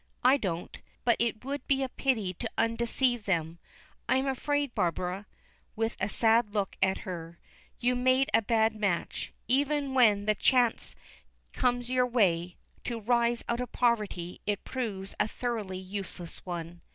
I don't. But it would be a pity to undeceive them. I am afraid, Barbara," with a sad look at her, "you made a bad match. Even when the chance comes in your way to rise out of poverty, it proves a thoroughly useless one."